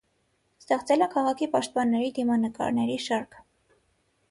Ստեղծել է քաղաքի պաշտպանների դիմանկարների շարք։